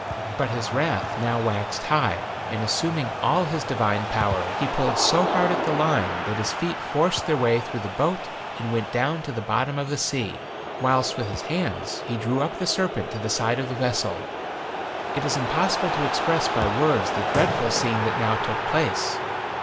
But his wrath now waxed high, and assuming all his divine power, he pulled so hard at the line that his feet forced their way through the boat and went down to the bottom of the sea, whilst with his hands he drew up the serpent to the side of the vessel. It is impossible to express by words the dreadful scene that now took place.